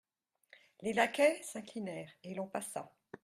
Les laquais s'inclinèrent et l'on passa.